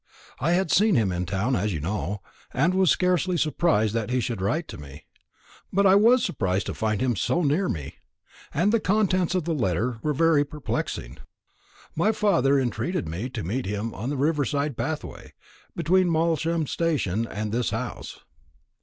I had seen him in town, as you know, and was scarcely surprised that he should write to me. But I was surprised to find him so near me, and the contents of the letter were very perplexing. My father entreated me to meet him on the river side pathway, between Malsham station and this house.